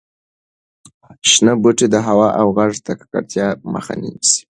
شنه بوټي د هوا او غږ د ککړتیا مخه نیسي.